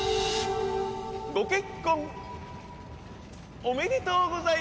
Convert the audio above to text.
ご結婚おめでとうございます！